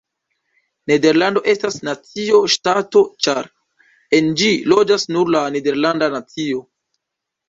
Nederlando estas nacio-ŝtato ĉar en ĝi loĝas nur la nederlanda nacio.